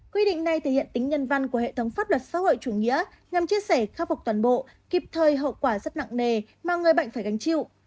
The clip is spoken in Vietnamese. quy định này thể hiện tính nhân văn của hệ thống pháp luật xã hội chủ nghĩa nhằm chia sẻ khắc phục toàn bộ kịp thời hậu quả rất nặng nề mà người bệnh phải gánh chịu